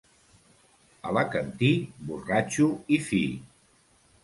Alacantí, borratxo i fi.